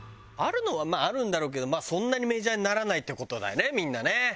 あるのはあるんだろうけどそんなにメジャーにならないって事だよねみんなね。